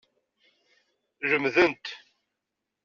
Lemdent.